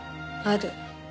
ある。